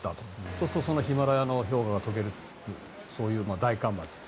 そうすると、ヒマラヤの氷河が解けてしまう大干ばつ。